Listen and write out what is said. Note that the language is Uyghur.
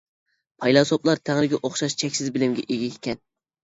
پەيلاسوپلار تەڭرىگە ئوخشاش چەكسىز بىلىمگە ئىگە ئىكەن.